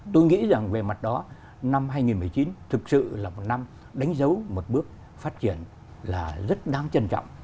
tôi nghĩ rằng về mặt đó năm hai nghìn một mươi chín thực sự là một năm đánh dấu một bước phát triển là rất đáng trân trọng